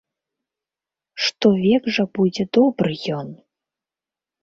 Што век жа будзе добры ён!